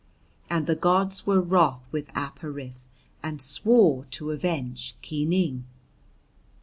And the gods were wroth with Ap Ariph and swore to avenge Ki Ning.